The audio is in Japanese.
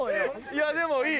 いやでもいい！